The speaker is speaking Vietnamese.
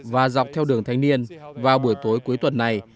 và dọc theo đường thanh niên vào buổi tối cuối tuần này